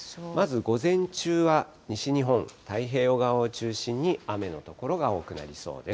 まず午前中は西日本、太平洋側を中心に雨の所が多くなりそうです。